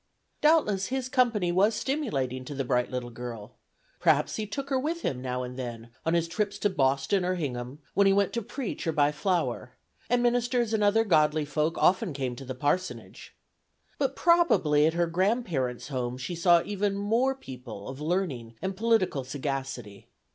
Doubtless his company was stimulating to the bright little girl; perhaps he took her with him now and then on his trips to Boston or Hingham, when he went to preach or to buy "Flower"; and ministers and other godly folk often came to the parsonage. But probably at her grandparents' home she saw even more people of learning and political sagacity.